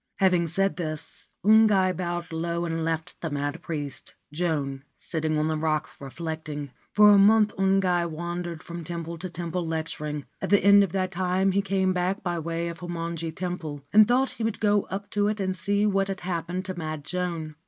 Having said this, Ungai bowed low and left the mad priest, Joan, seated on the rock reflecting. For a month Ungai wandered from temple to temple, lecturing. At the end of that time he came back by way of Fumonji Temple, and thought he would go up to it and see what had happened to mad Joan.